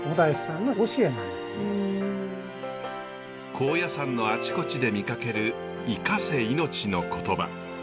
高野山のあちこちで見かける「生かせいのち」の言葉。